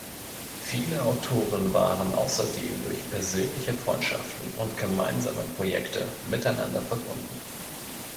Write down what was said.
Viele Autoren waren außerdem durch persönliche Freundschaften und gemeinsame Projekte miteinander verbunden.